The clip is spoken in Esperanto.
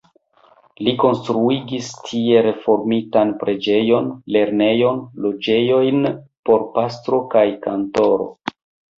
Li konstruigis tie reformitan preĝejon, lernejon, loĝejojn por pastro kaj kantoro.